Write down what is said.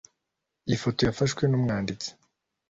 Ifoto yafashwe numwanditsi